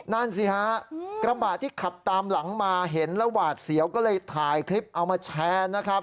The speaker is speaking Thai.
นั่นสิฮะกระบะที่ขับตามหลังมาเห็นแล้วหวาดเสียวก็เลยถ่ายคลิปเอามาแชร์นะครับ